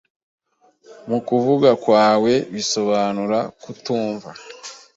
mu kuvuga kwawe bisobanura kutumva